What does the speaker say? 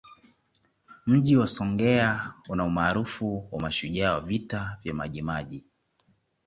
Mji wa Songea una umaarufu wa mashujaa wa Vita vya Majimaji